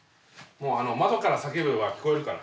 もう窓から叫べば聞こえるから。